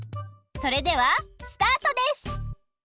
それではスタートです！